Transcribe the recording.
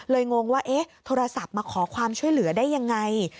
เลยงงว่าโทรศัพท์มาขอความช่วยเหลือได้อย่างไร